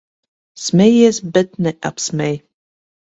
Smejies, bet neapsmej.